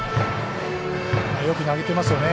よく投げてますよね。